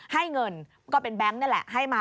ให้เงินก็เป็นแบงค์นี่แหละให้มา